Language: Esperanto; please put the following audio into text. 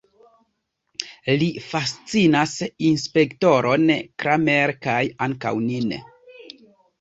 Li fascinas inspektoron Kramer, kaj ankaŭ nin.